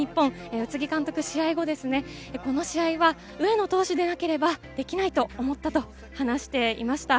宇津木監督、試合後ですね、この試合は上野投手でなければできないと思ったと話していました。